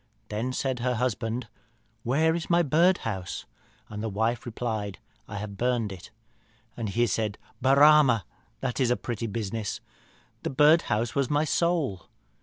Then said her husband, 'Where is my birdhouse?' And the wife replied, 'I have burnt it.' And he said, 'Barama, that is a pretty business that birdhouse was my soul.'